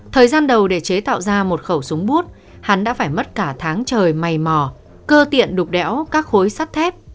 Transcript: thời gian đầu để chế tạo ra một khẩu súng bút hắn đã phải mất cả tháng trời mày mò cơ tiện đục đẽo các khối sắt thép